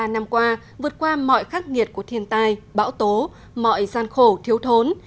bốn mươi năm qua vượt qua mọi khắc nghiệt của thiên tai bão tố mọi gian khổ thiếu thốn